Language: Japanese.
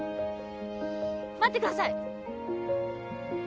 待ってください！